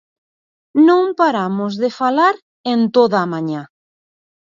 Non paramos de falar en toda a mañá.